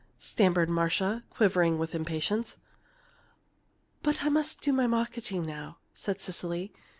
stammered Marcia, quivering with impatience. "But I must do my marketing now," said Cecily.